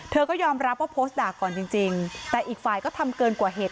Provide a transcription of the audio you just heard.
ก็ยอมรับว่าโพสต์ด่าก่อนจริงแต่อีกฝ่ายก็ทำเกินกว่าเหตุ